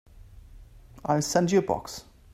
I'll send you a box.